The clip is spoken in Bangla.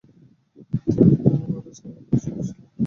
তিনি জন বারোজ নামে পরিচিত ছিলেন।